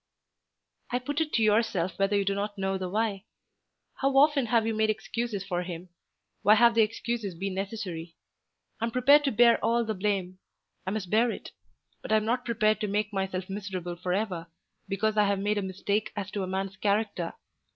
"I put it to yourself whether you do not know the why. How often have you made excuses for him? Why have the excuses been necessary? I am prepared to bear all the blame. I must bear it. But I am not prepared to make myself miserable for ever because I have made a mistake as to a man's character.